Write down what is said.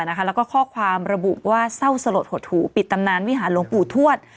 แล้วก็ข้อความระบุว่าเศร้าสลดหดหูปิดตำนานวิหารหลวงปู่ทวด